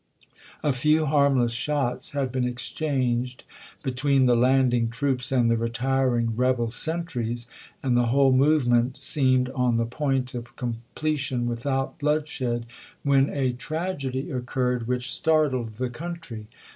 A few harmless shots had been exchanged between the landing troops and the retiring rebel sentries, and the whole movement seemed on the point of comple tion without bloodshed when a tragedy occurred which startled the country.